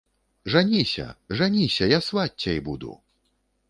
Жаніся, жаніся, я сваццяй буду.